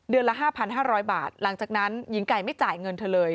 ละ๕๕๐๐บาทหลังจากนั้นหญิงไก่ไม่จ่ายเงินเธอเลย